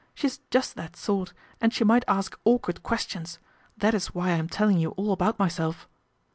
She's just that sort, and she might ask awkward questions, that is why I am telling you all about myself."